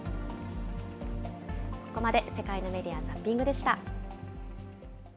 ここまで世界のメディア・ザッピングでした。